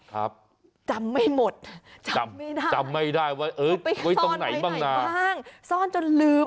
ครับจำไม่หมดจำไม่ได้ว่าเออเอาไปซ่อนไปไหนบ้างซ่อนจนลืม